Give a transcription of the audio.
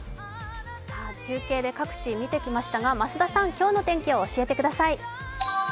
中継で各地、見てきましたが増田さん、今日の天気を教えてください。